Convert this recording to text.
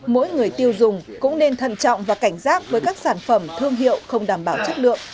mỗi người tiêu dùng cũng nên thận trọng và cảnh giác với các sản phẩm thương hiệu không đảm bảo chất lượng